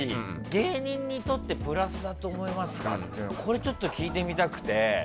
芸人にとってプラスだと思いますかっていうのをこれ聞いてみたくて。